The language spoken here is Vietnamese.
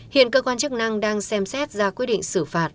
hiện cơ quan chức năng đang xem xét ra quyết định xử phạt